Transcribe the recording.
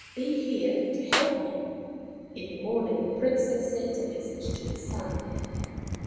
Be here to help me." In the morning the Princess sent a message to the Sun.